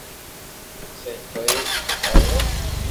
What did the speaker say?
سھي ڪوئي آئئئي